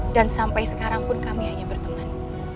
dan sampai sekarang pun kami hanya berteman